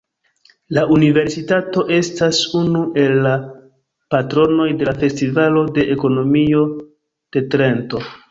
La universitato estas unu el la patronoj de la Festivalo de Ekonomio de Trento.